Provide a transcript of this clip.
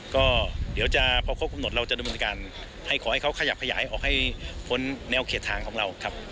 ก็เดี๋ยวจะพอครบกำหนดเราจะดำเนินการให้ขอให้เขาขยับขยายออกให้พ้นแนวเขตทางของเราครับ